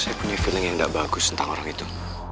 saya punya feeling yang tidak bagus tentang orang itu